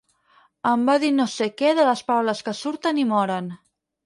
Em va dir no sé què de les paraules que surten i moren.